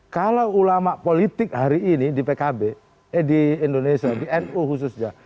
kalau ulama politik hari ini di pkb eh di indonesia di nu khususnya